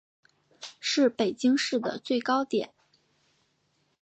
是北京市的最高点。